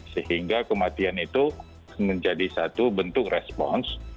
sehingga kematian itu menjadi satu bentuk respons